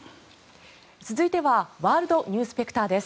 続いてはワールドニュースペクターです。